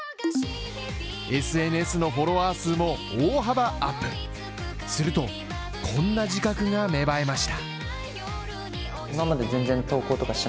ＳＮＳのフォロワー数も大幅アップするとこんな自覚が芽生えました。